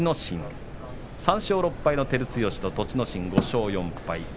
３勝６敗の照強と栃ノ心、５勝４敗。